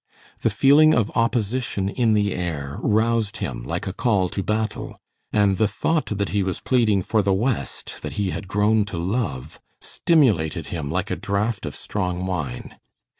The feeling of opposition in the air roused him like a call to battle, and the thought that he was pleading for the West that he had grown to love, stimulated him like a draught of strong wine.